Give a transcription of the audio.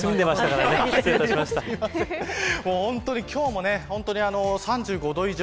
本当に今日も３５度以上。